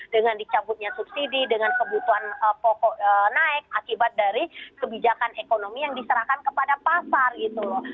dengan dicabutnya subsidi dengan kebutuhan pokok naik akibat dari kebijakan ekonomi yang diserahkan kepada pasar gitu loh